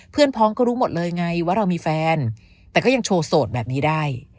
พ้องก็รู้หมดเลยไงว่าเรามีแฟนแต่ก็ยังโชว์โสดแบบนี้ได้